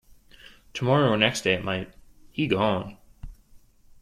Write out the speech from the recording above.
Tomorrow or next day it might he gone.